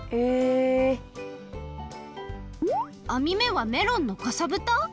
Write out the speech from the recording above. あみ目はメロンのかさぶた！？